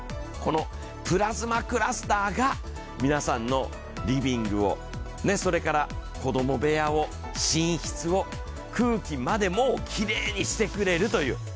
プラズマクラスターが皆さんのリビングを、それから子供部屋を寝室を空気までもきれいにしてくれるという。